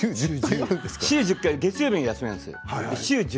週１０回、月曜日が休みなんです。